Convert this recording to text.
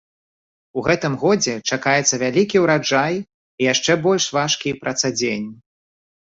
У гэтым годзе чакаецца вялікі ўраджай і яшчэ больш важкі працадзень.